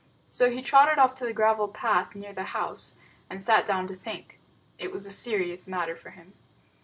So he trotted off to the gravel path near the house, and sat down to think. It was a serious matter for him.